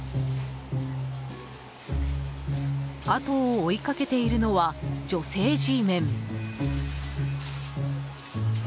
後を追いかけているのは女性Ｇメン。